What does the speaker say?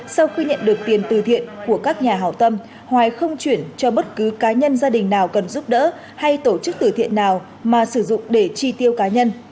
sau khi nhận được tiền từ thiện của các nhà hảo tâm hoài không chuyển cho bất cứ cá nhân gia đình nào cần giúp đỡ hay tổ chức từ thiện nào mà sử dụng để chi tiêu cá nhân